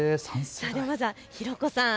まずは弘子さん。